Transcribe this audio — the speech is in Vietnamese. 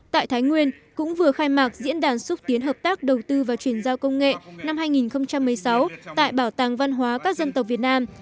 tại thái nguyên cũng vừa khai mạc diễn đàn xúc tiến hợp tác đầu tư và chuyển giao công nghệ năm hai nghìn một mươi sáu tại bảo tàng văn hóa các dân tộc việt nam